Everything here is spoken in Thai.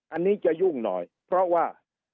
อันนี้จะยุ่งหน่อยเพราะว่า